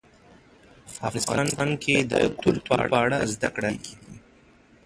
افغانستان کې د کلتور په اړه زده کړه کېږي.